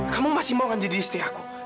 kamu masih mau kan jadi istri aku